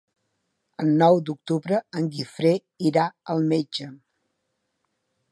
El nou d'octubre en Guifré irà al metge.